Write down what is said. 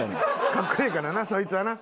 かっこいいからなそいつはな。